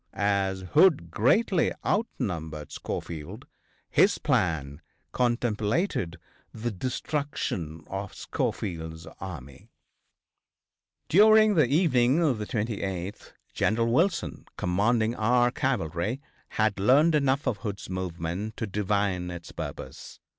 As Hood greatly outnumbered Schofield, his plan contemplated the destruction of Schofield's army. During the evening of the 28th General Wilson, commanding our cavalry, had learned enough of Hood's movement to divine its purpose.